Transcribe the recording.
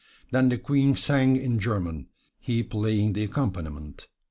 Then the Queen sang in German, he playing the accompaniment.